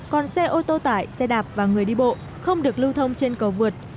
còn xe ô tô tải xe đạp và người đi bộ không được lưu thông trên cầu vượt